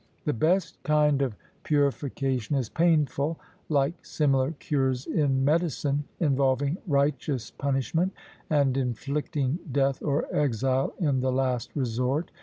The best kind of purification is painful, like similar cures in medicine, involving righteous punishment and inflicting death or exile in the last resort.